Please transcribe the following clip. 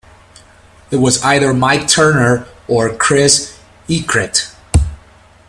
It was either Mike Turner or Chris Eacrett.